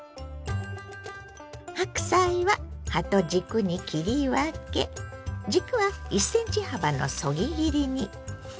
白菜は葉と軸に切り分け軸は１ｃｍ幅のそぎ切りに。